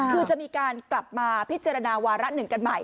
คือจะมีการกลับมาพิจารณาวาระหนึ่งกันใหม่